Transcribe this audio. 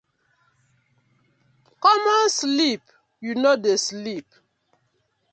Common sleep yu no dey sleep.